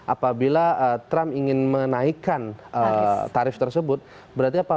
apabila trump ingin menaikkan tarif tersebut berarti apa